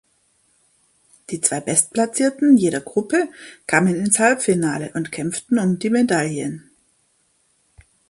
Die zwei Bestplatzierten jeder Gruppe kamen ins Halbfinale und kämpften um die Medaillen.